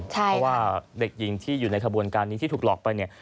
เพราะว่าเด็กหญิงที่อยู่ในขบวนการนี้ที่ถูกหลอกไปเนี่ย